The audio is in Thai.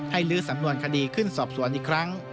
ลื้อสำนวนคดีขึ้นสอบสวนอีกครั้ง